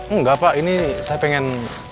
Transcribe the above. enggak pak ini saya pengen